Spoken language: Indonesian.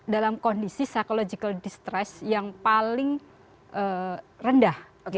dalam kondisi psychological distress yang paling rendah